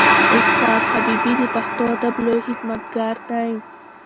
استاد حبیبي د پښتو ادب لوی خدمتګار دی.